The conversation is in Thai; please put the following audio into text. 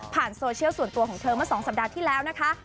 โซเชียลส่วนตัวของเธอเมื่อ๒สัปดาห์ที่แล้วนะคะ